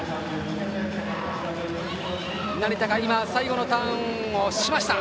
成田が最後のターンをしました。